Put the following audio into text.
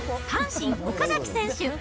阪神・岡崎選手。